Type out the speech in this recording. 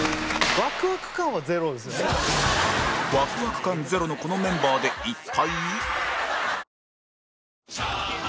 ワクワク感ゼロのこのメンバーで一体？